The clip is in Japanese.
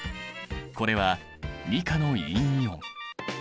これは２価の陰イオン。